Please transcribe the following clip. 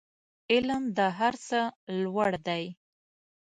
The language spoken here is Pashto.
علم د هر څه لوړ دی